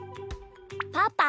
パパ？